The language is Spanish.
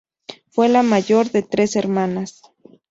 Fue la mayor de tres hermanas.